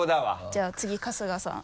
じゃあ次春日さん